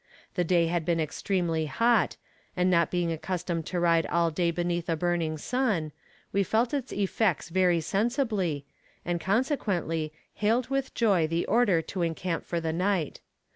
The day had been extremely hot, and not being accustomed to ride all day beneath a burning sun, we felt its effects very sensibly, and consequently, hailed with joy the order to encamp for the night.